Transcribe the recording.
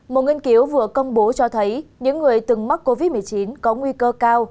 một nghiên cứu vừa công bố cho thấy những người từng mắc covid một mươi chín có nguy cơ cao